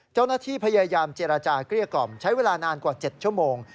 เจ้าหน้าที่พยายามเจรจาเกลี้ยกล่อมใช้เวลานานกว่า๗ชั่วโมง